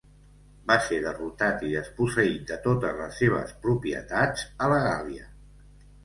Va ser derrotat i desposseït de totes les seves propietats a la Gàl·lia.